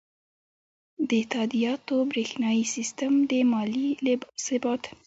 د تادیاتو بریښنایی سیستم د مالي ثبات لامل ګرځي.